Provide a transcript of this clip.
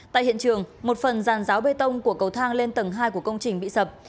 tại hiện trường một phần giàn giáo bê tông của cầu thang lên tầng hai của công trình bị sập